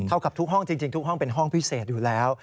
กับทุกห้องจริงทุกห้องเป็นห้องพิเศษอยู่แล้ว